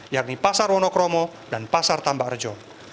yakni pasar wonokromo dan pasar tambang rejo